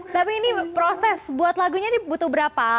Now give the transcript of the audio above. tapi ini proses buat lagunya ini butuh berapa